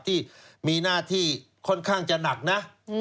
ที่มีหน้าที่ค่อนข้างจะหนักนะ